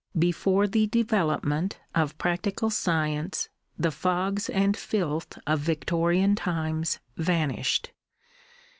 Before the development of practical science the fogs and filth of Victorian times vanished.